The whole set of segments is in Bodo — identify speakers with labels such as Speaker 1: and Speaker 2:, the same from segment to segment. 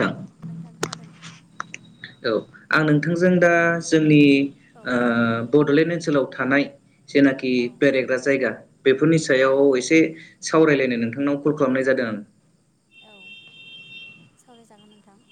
Speaker 1: थां
Speaker 2: नोंथां खोनादों।
Speaker 1: औ आं नोंथांजों दा जोंनि
Speaker 2: औ
Speaker 1: ओ बड'लेण्ड ओनसो सोलाव थानाय जेनाखि
Speaker 2: औ
Speaker 1: बेरायग्रा जायगा बेफोरनि
Speaker 2: औ
Speaker 1: सायाव एसे सावरायलायनो नोंथांनाव कल खालामनाय जादों आं।
Speaker 2: औ सावरायजागोन नोंथां।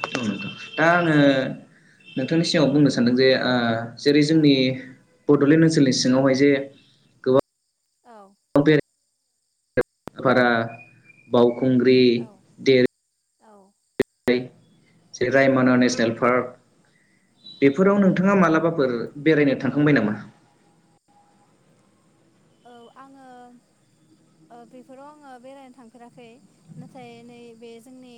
Speaker 1: औ दा आङो नोंथांनि सिगाङाव बुंनो सानदों जे ओ जेरै
Speaker 2: औ
Speaker 1: जोंनि बड'लेण्ड ओनसोलनि सिङावहाय जे गोबां
Speaker 2: औ
Speaker 1: [inaudible] फारा बावखुंग्रि देर
Speaker 2: औ
Speaker 1: [unintelligible] रायमना नेसनेल पार्क
Speaker 2: औ
Speaker 1: बेफोराव नोंथाङा मालाबा फोर बेरायनो थांखांबाय नामा?
Speaker 2: औ आङो ओ बेफोराव आङो बेरायनो थांफेराखै नाथाय नैबे जोंनि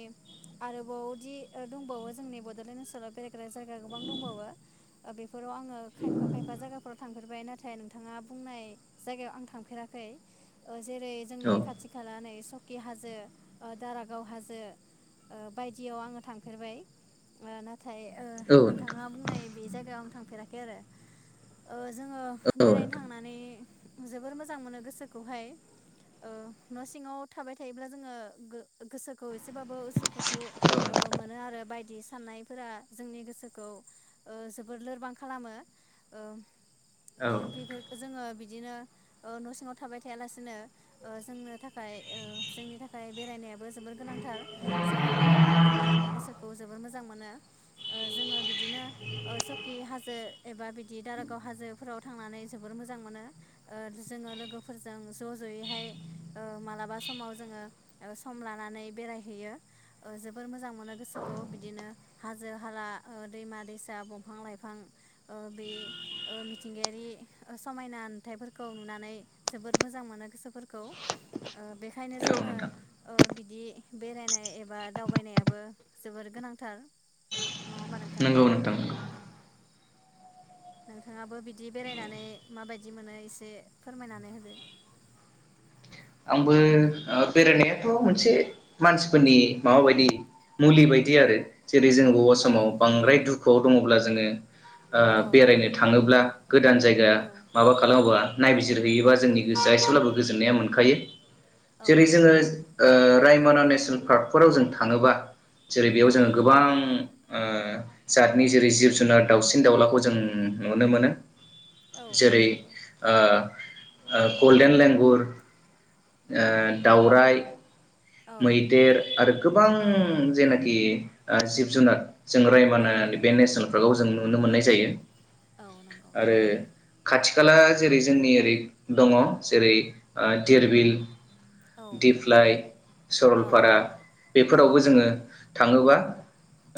Speaker 2: आरोबावदि ओ दंबावो जोंनि बड'लेण्ड ओनसोलाव बेरायग्रा जायगा गोबां दंबावो ओ बेफोराव आङो खायफा-खायफा जायगाफोराव थांफेरबाय नाथाय नोंथाङा बुंनाय जायगायाव आं थांफेराखै ओ जेरै जोंनि खाथि
Speaker 1: औ
Speaker 2: खाला नैस स'कि हाजो ओ दारागाव हाजो ओ बायदियाव आङो थांफेरबाय ओ नाथ थाय ओ
Speaker 1: औ नोंथां
Speaker 2: नोंथाङा बुंनाय बेज जायगायाव आं थांफेराखै आरो ओ जोङो
Speaker 1: औ
Speaker 2: बेरायनो
Speaker 1: नोंथां
Speaker 2: थांनानै जोबोर मोजां मोनो गोसोखौहाय ओ न' सिङाव थाबाय थायोब्ला जोङो गो-गोसोखौ एसेबाबो उसुखुथु ओ मोनो आरो बायदि साननायफोरा जोंनि गोसोखौ ओ जोबोर लोरबां खालामो ओम
Speaker 1: औ
Speaker 2: बेफोरखो जोङो बिदिनो ओ न' सिङाव थाबाय थायालासिनो ओ जोंनो थाखाय ओ जोंनि थाखाय बेरायनायाबो जोबोर गोनांथार जोङो बेरायनो थांनानै गोसोखौ जोबोर मोजां मोनो ओ जोङो बिदिनो ओ स'कि हाजो एबा बिदि दारागाव हाजोफोराव थांनानै जोबोर मोजां मोनो। ओ जोङो लोगोफोरजों ज' ज'यैहाय ओ मालाबा समाव जोङो ओ सम लानानै बेरायहैयो ओ जोबोर मोजां मोनो गोसोखौ बिदिनो हाजो हाला ओ दैमा दैसा बंफां लाइफां ओ बे ओ मिथिंगायारि ओ समायना हाथाइफोरखौ नुनानै जोबोर मोजां मोनो गोसोफोरखौ ओ बेखायनो
Speaker 1: औ
Speaker 2: जोङो
Speaker 1: नोंथां
Speaker 2: ओ बिदि बेरायनाय एबा दावबायनायाबो जोबोर गोनांथार नङा होमबा नोंथां?
Speaker 1: नंगौ नंगौ।
Speaker 2: औ। नोंथाङाबो बिदि बेरायनानै माबायदि मोनो एसे फोरमायनानै होदो।
Speaker 1: आंबो ओ बेरायनायाथ' मोनसे मानसिफोरनि माबा बायदि मुलि बायदि आरो जेरै जों बबा
Speaker 2: औ
Speaker 1: समाव बांद्राय दुखुआव बुङोब्ला जोङो ओ
Speaker 2: औ
Speaker 1: बेरायनो थाङोब्ला गोदान जायगा
Speaker 2: औ
Speaker 1: माबा खालामोबा नायबिजिरहोयोबा
Speaker 2: औ
Speaker 1: जोंनि गोसोआ एसेब्लाबो गोजोन्नाया मोनखायो। [inaudible]
Speaker 2: औ
Speaker 1: जेरै जोंङो
Speaker 2: नंगौ
Speaker 1: ओ रायमना नेसनेल पार्कफोराव जों थांङोबा जेरै बेयाव
Speaker 2: औ
Speaker 1: जोंङो गोबां ओ जातनि जेरै जिब जुनार दाउसिन दाउलाखौ जों नुनो मोनो।
Speaker 2: औ
Speaker 1: जेरै
Speaker 2: नंगौ
Speaker 1: ओ ओ गल्डेन लेंगुर। ओ दावराय
Speaker 2: औ
Speaker 1: मैदेर आरो गोबां
Speaker 2: औ
Speaker 1: जेनोखि ओ जिब जुनार जों
Speaker 2: औ
Speaker 1: रायमना बे नेसनेल फोरखौ जों नुनो मोननाय जायो
Speaker 2: औ नंगौ
Speaker 1: आरो खाथि खाला जेरै जोंनि ओरै दंङ जेरै धिरबिल
Speaker 2: औ
Speaker 1: दिप्लाइ
Speaker 2: औ
Speaker 1: सरलपारा बेफोरावबो जोंङो थांङोबा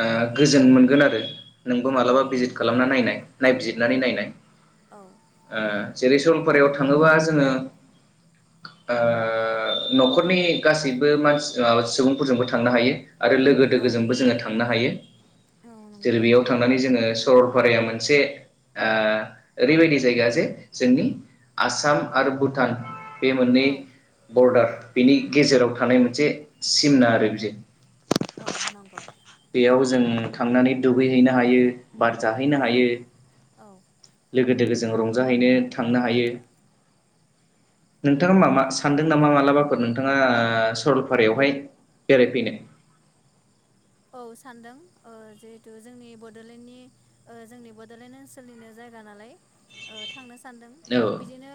Speaker 1: ओ
Speaker 2: औ
Speaker 1: गोजोन मोनगोन आरो नोंबो
Speaker 2: औ
Speaker 1: मालाबा भिजित
Speaker 2: नंगौ
Speaker 1: खालामना नायनाय नायबिजिरनानै नायनाय
Speaker 2: औ
Speaker 1: ओ जेरै सरलपारायाव थांङोबा जोंङो न'खरनि गासै बो मानसि सुबुंफोरजोंबो थांनो हायो आरो लोगो
Speaker 2: औ
Speaker 1: दोगोजोंबो जोंङो थांनो हायो
Speaker 2: औ
Speaker 1: जेरै
Speaker 2: नंगौ
Speaker 1: बेयाव थांनानै जोंङो सरलपाराया मोनसे ओरैबायदि जायगा जे जोंनि आसाम आरो भुटान बे मोननै
Speaker 2: औ
Speaker 1: बरडार बिनि गेजेराव मोनसे सिमना आरो बियो
Speaker 2: औ नंगौ
Speaker 1: बेयाव जों खांनानै दुगैहैनो हायो बार जाहैनो
Speaker 2: औ
Speaker 1: हायो
Speaker 2: औ
Speaker 1: लोगो दोगोजों रंजाहैनो थांनो हायो नोंथाङा मा सानदों नामा मालाबाफोर नोंथाङा सरलपारायावहाय बेरायफैनो
Speaker 2: औ सानदों जिहेतु जोंनि बड'लेण्डनि जोंनि बड'लेण्ड ओनसोलनिनो जायगा नालाय थांनो सानदों
Speaker 1: औ
Speaker 2: बिदिनो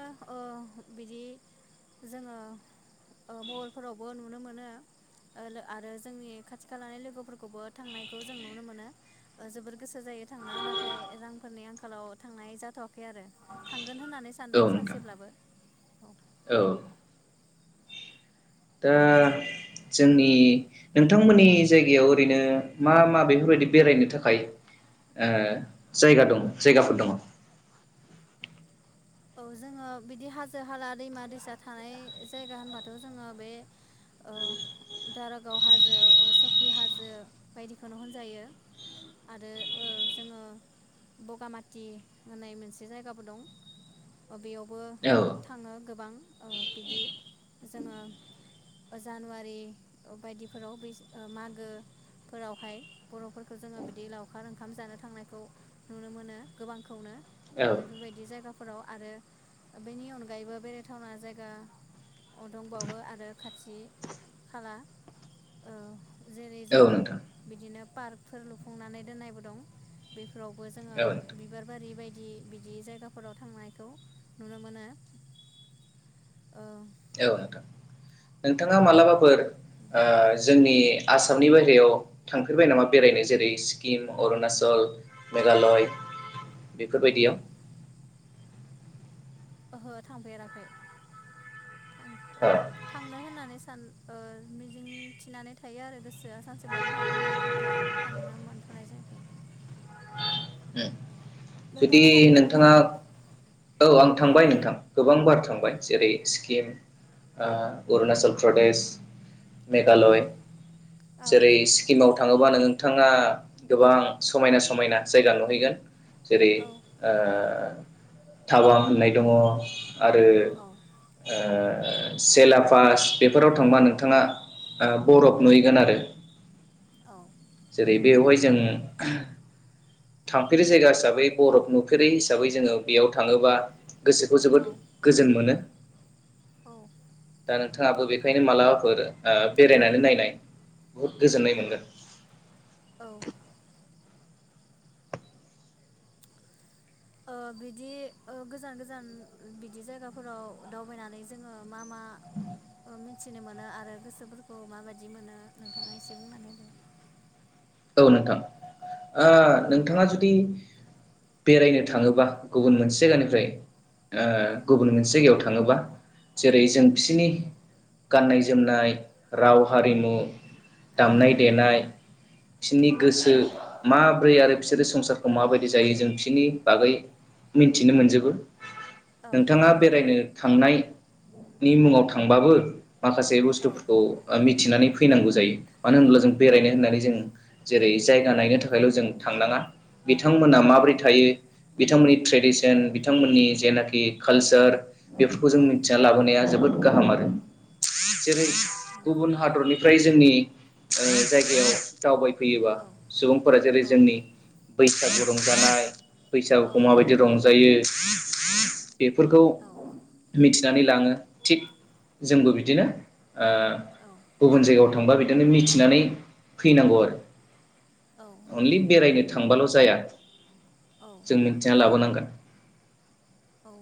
Speaker 2: बिदि जोङो मबाइलफोरावबो नुनो मोनो आरो जोंनि खाथि खालानि लोगोफोर फोरखौबो थांनायखौ जों नुनो मोनो जोबोर गोसो जायो थांनो नाथाय रांफोरनि आंखालाव थांनाय जाथ'वाखै आरो थांगोन होननानै सानदों
Speaker 1: नोंथां
Speaker 2: सानसेब्लाबो औ
Speaker 1: दा जोंनि नोंथांमोननि जायगायाव ओरैनो मा मा बेफोरबायदि बेरायनो थाखाय जायगा दङ जायगाफोर दङ
Speaker 2: औ जोङो बिदि हाजो हाला दैमा दैसा थानाय जायगा होनबाथ' जोङो बे दारागाव हाजो सकि हाजो बायदिखौनो होनजायो आरो जोङो बगामाथि होननाय मोनसे जायगाबो दं बेयाव बो
Speaker 1: औ
Speaker 2: थाङो गोबां बिदि जोङो जानुवारि बायदिफोराव ब मागोफोरावहाय बर'फोरखौ जोङो बिदि लावखार ओंखाम जानो थांनायखौ नुनो मोनो गोबांखौनो बेफोरबायदि जायगाखौ फोराव आरो बेनि अनगायैबो बेरायथावना जायगा दंबावो आरो खाथि खाला जेरै
Speaker 1: औ
Speaker 2: जोङो
Speaker 1: नोंथां
Speaker 2: बिदिनो पार्कफोर लुफुंनानै दोननायबो दं बेफोरावबो जोङो
Speaker 1: औ नोंथां
Speaker 2: बिबार बारि बायदि बिदि जायगा फोराव थांनायखौ नुनो मोनो।
Speaker 1: नोंथांङा मालाबा। फोर ओ जोंनि। आसामनि बायहेरायाव थांफेरबाय नामा बेरायनो जेरै सिक्किम अरुनाचल मेघालय।
Speaker 2: औ
Speaker 1: बेफोरबायदियाव।
Speaker 2: ओहो थांफेराखै
Speaker 1: अ
Speaker 2: थांनो होननानै सान मिजिं थिनानै थायो आरो गोसोआ सानसेब्लाबो थांगोन होननानै नाथाय थांनो मोनथनाय जायाखै।
Speaker 1: उम जुदि
Speaker 2: नोंथाङा थांफेरबाय
Speaker 1: नोंथाङा
Speaker 2: नामा?
Speaker 1: औ आं थांबाय नोंथां। गोबां बार
Speaker 2: औ
Speaker 1: थांबाय जेरै स्किम। ओ अरुणचल प्रदेश।
Speaker 2: औ
Speaker 1: मेघालय
Speaker 2: औ
Speaker 1: जेरै सिक्किमाव। थाङोबानो नोंथांङा गोबां समायना समायना जायगा नुहैगोन। जेरै
Speaker 2: औ
Speaker 1: ओ थाबा होननाय दङ। आरो ओ सेलापास बेफोराव थांबा नोंथाङा बरफ नुहैगोन आरो।
Speaker 2: औ
Speaker 1: बेवहाय जों। थामफेरि जायगा हिसाबै बरफ नुफेरै हिसाबै जोङो बेयाव थाङोबा। गोसोखौ जोबोद गोजोन मोनो।
Speaker 2: औ
Speaker 1: दा नोंथाङाबो बेखायनो मालाबाफोर ओ बेरायनानै नायनाय बुहुद गोजोननाय मोनगोन।
Speaker 2: औ। ओ बिदि ओ गोजान गोजान बिदि जायगाफोराव दावबायनानै जोङो मा मा मिथिनो मोनो आरो गोसोफोरखौ माबायदि मोनो नोंथाङा एसे बुंनानै होदो?
Speaker 1: औ नोंथां ओ नोंथाङा जुदि बेरायनो थाङोबा गुबुन मोनसे जायगानिफ्राय। ओ
Speaker 2: औ
Speaker 1: गुबुन मोनसे जायगायाव थांयो। थाङोबा जेरै जों बिसोरनि गाननाय जोमनाय राव हारिमु। दामनाय देनाय। बिसोरनि गोसो माब्रै आरो बिसोरो संसारखौ माबायदि जायो जों बिसोरनि बागै मिथिनो मोनजोबो।
Speaker 2: औ
Speaker 1: नोंथांङा बेरायनो। थांनायनि मुङाव थांबाबो। माखासे
Speaker 2: औ
Speaker 1: बुस्थुफोरखौ मि। मिथिनानै फैनांगौ जायो। मानो
Speaker 2: औ
Speaker 1: होनोब्ला जों
Speaker 2: औ
Speaker 1: बेरायनो होननानै जों। जेरै जायगा नायनो थाखायल जों थांनाङा। बिथांमोनहा माबोरै थायो। बिथांमोननि ट्रेडिसन बिथांमोननि जेनाखि कालसार बेफोरखौ जों
Speaker 2: औ औ
Speaker 1: मिथिना लाबोनाया जोबोद गाहाम आरो
Speaker 2: औ
Speaker 1: जेरै
Speaker 2: नंगौ
Speaker 1: गुबुन हादरनि फ्राय जोंनि ओ जायगायाव दावबाय फैयोबा
Speaker 2: औ
Speaker 1: सुबुंफोरा जेरै
Speaker 2: औ
Speaker 1: जोंनि बैसागु रंजानाय
Speaker 2: औ
Speaker 1: बैसागुखौ माबायदि रंजायो [inaudible] बेफोरखौ
Speaker 2: औ
Speaker 1: मिथिनानै लाङो थिग जोंबो बिदिनो
Speaker 2: औ
Speaker 1: ओ गुबुन जायगायाव थ थांबा बिदिनो मिथिनानै फैनांगौ आरो
Speaker 2: औ
Speaker 1: अनलि
Speaker 2: नंगौ
Speaker 1: बेरायनो थ थांबाल' जाया
Speaker 2: औ
Speaker 1: जों मिथिना लाबोनांगोन
Speaker 2: औ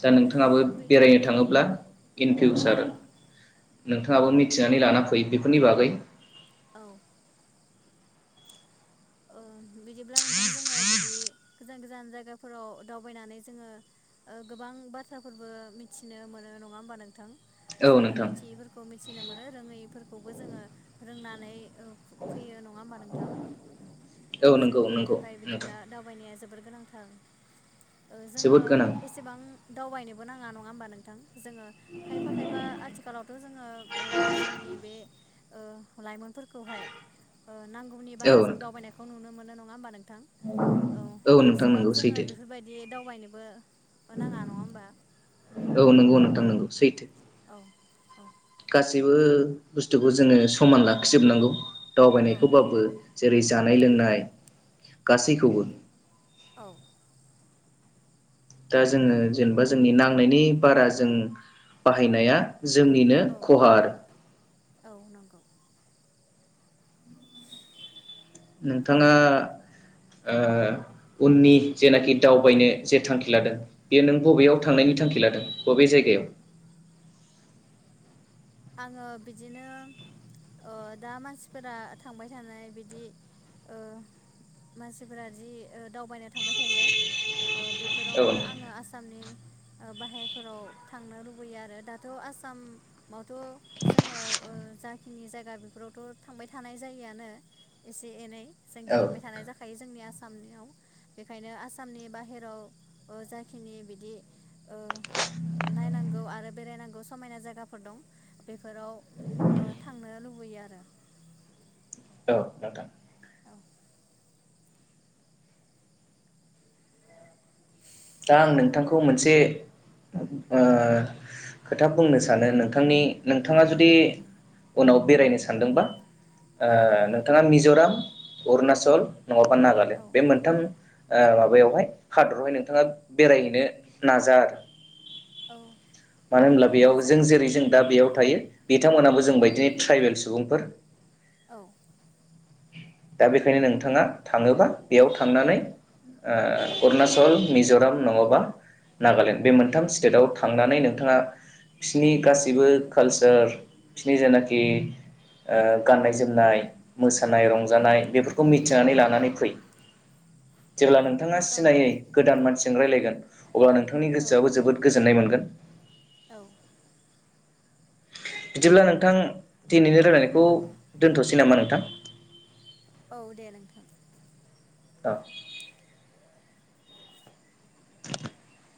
Speaker 1: दा नोंथाङाबो
Speaker 2: बे
Speaker 1: बेरायनो थाङोब्ला इन फिउसार
Speaker 2: औ
Speaker 1: आरो नोंथाङाबो मिथिनानै लाना फै बेफोरनि बागै
Speaker 2: औ ओ बिदिब्ला नोंथां जोङो बिदि गोजान गोजान जायगाफोराव दावबायनानै जोङो ओ गोबां बाथ्राफोरबो मिथिनो मोनो नङा होमबा नोंथां?
Speaker 1: औ
Speaker 2: जोङो
Speaker 1: नोंथां
Speaker 2: मिथियैफोरखौ मिथिनो मोनो रोङैफोर खौबो जोङो रोंनानै औ फैयो नङा होमबा नोंथां?
Speaker 1: औ नंगौ
Speaker 2: जोंनि
Speaker 1: नंगौ
Speaker 2: थाखाय
Speaker 1: नोंथां।
Speaker 2: बिदिब्ला दावबायनाया जोबोर गोनांथार ओ जोङो
Speaker 1: जोबोद गोनां
Speaker 2: एसेबां दावबायनो बो नांआ नङा होमबा नोंथां? जोङो खायफा खायफा आथिखालावथ' जोङो ओ जोंनि बे ओ लाइमोनफोरखौहाय ओ नांगौनि
Speaker 1: औ
Speaker 2: बारा जों
Speaker 1: नोंथां
Speaker 2: दावबायनायखौ नुनो मोन नङा होमबा नों थां औ
Speaker 1: नोंथां
Speaker 2: एसेबां
Speaker 1: नंगौ
Speaker 2: जोङो
Speaker 1: सैथो
Speaker 2: बेफोरबायदि दावबायनोबो नाङा नङा होमबा
Speaker 1: औ नोंगौ नोंथां नोंगौ सैथो
Speaker 2: औ औ
Speaker 1: गासैबो बुस्थुखौ जोङो समान लाखिजोबनांगौ
Speaker 2: औ
Speaker 1: दावबायनायखौबाबो जेरै
Speaker 2: औ
Speaker 1: जानाय लोंनाय गासैखौबो
Speaker 2: औ
Speaker 1: दा जोङो जेनेबा जोंनि नांनायनि बारा जों बाहायनाया जोंनिनो
Speaker 2: औ
Speaker 1: खहा आरो
Speaker 2: औ नंगौ
Speaker 1: नोंथाङा उननि जेनाखि दावबायनो जे थांखि लादों बेयो नों
Speaker 2: औ
Speaker 1: बबेयाव थांनायनि थांखि लादों अबे जायगायाव
Speaker 2: आङो बिदिनो दा मानसिफोरा थांबाय थानाय बिदि मानसिफोरा जि दावबायनो थांबाय थायो
Speaker 1: औ
Speaker 2: बेफोरावनो आङो आसामनि बाहेरफोराव थांनो लुबैयो आरो दाथ' आसामाव थ' जोङो जाखिनि जायगा बेफोरावथ' थांबाय थानाय जायोआनो एसे एनै जों
Speaker 1: औ
Speaker 2: गिदिंबाय थानाय जाखायो जोंनि आसामनियाव बेखायनो आसामनि बाहेराव जाखिनि बिदि नायनांगौ आरो बेरायनांगौ समायना जायगाफोर दं बेफोराव थांनो लुबैयो आरो
Speaker 1: नोंथां
Speaker 2: औ
Speaker 1: दा आं नोंथांखौ मोनसे खोथा बुंनो सानो नोंथांनि नोंथाङा जुदि उनाव बेरायनो सानदोंबा ओ
Speaker 2: औ
Speaker 1: नोंथांआ मिज मिज'राम अरुणाचल नङाबा
Speaker 2: औ
Speaker 1: नागालेण्ड बे मोनथाम माबायावहाय हादरावहाय नोंथाङा बेरायहैनो नाजा आरो
Speaker 2: औ
Speaker 1: मानो होनब्ला
Speaker 2: औ
Speaker 1: बेयाव जों
Speaker 2: नाजागोन
Speaker 1: जेरै
Speaker 2: नोंथां
Speaker 1: जों दा बेयाव थायो बिथांमोनहाबो
Speaker 2: औ
Speaker 1: जों बदिनो ट्राइबेल सुबुं फोर
Speaker 2: औ
Speaker 1: दा बेखायनो नोंथाङा थाङोबा बेयाव
Speaker 2: औ
Speaker 1: थांनानै
Speaker 2: औ
Speaker 1: अरुनाचल, मिज'राम नङाबा नागालेण्ड बे मोनथाम स्टेट आआव थांनानै नोंथाङा बिसनि गासिबो कालचार बिसिनि जानाखि ओं गाननाय - जोमनाय मुस्रि मोसानाय
Speaker 2: औ औ
Speaker 1: रंजानाय बेफोरखौ मि मिथिनानै लानानै फै। जेब्ला नोंथाङा
Speaker 2: औ
Speaker 1: सिनायै गोदान मान रायलायगोन अब्ला नोंथांनि
Speaker 2: औ
Speaker 1: गोसोआबो जोबोद गोजोननाय मोनगोन।
Speaker 2: औ।
Speaker 1: बिदिब्ला नोंथां दिनैनो
Speaker 2: औ
Speaker 1: रायलायनायखौ दोन्थ'सै नामा नोंथां?
Speaker 2: औ दे नोंथां।
Speaker 1: औ। [unintelligible]